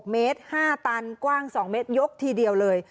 เมตร๕ตันกว้าง๒เมตรยกทีเดียวเลย